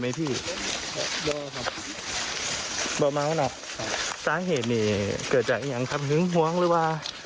บ้านาวนับสาเหตุเกิดจากยังทำเหงิงหว้องหรือว่า